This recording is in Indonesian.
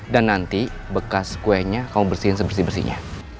dan nanti bekas kuenya kamu bersihin sebersih bersihnya